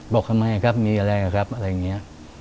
บอกทำไมครับมีอะไรครับอะไรอย่างนี้